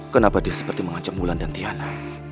kenapa dia seperti mengancam mulan dan tiana